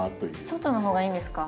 外の方がいいんですか？